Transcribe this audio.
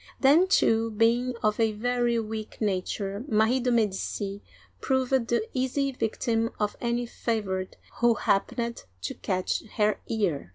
Then, too, being of a very weak nature, Marie de' Medici proved the easy victim of any favorite who happened to catch her ear.